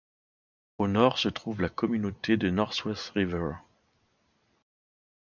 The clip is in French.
Au nord se trouve la communauté de North West River.